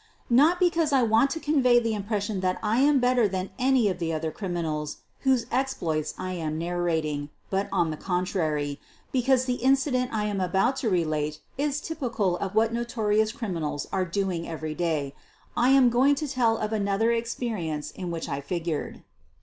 Not because I want to convey the impression that I am better than any of the other criminals whose exploits I am narrating, but, on the contrary, be cause the incident I am about to relate is typical of what notorious criminals are doing every day, I 256 SOPHIE LYONS am going to tell of another experience in which I figured.